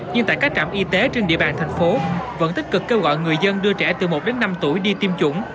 nhưng tại các trạm y tế trên địa bàn thành phố vẫn tích cực kêu gọi người dân đưa trẻ từ một đến năm tuổi đi tiêm chủng